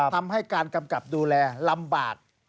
ทำให้การกำกับดูแลลำบาก